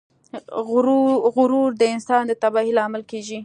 غرور د انسان د تباهۍ لامل کیږي.